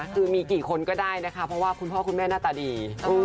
คือมีกี่คนก็ได้นะคะเพราะว่าคุณพ่อคุณแม่หน้าตาดี